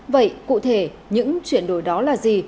vậy cụ thể những chuyển đổi đó là gì